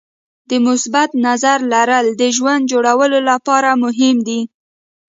د مثبت نظر لرل د ژوند جوړولو لپاره مهم دي.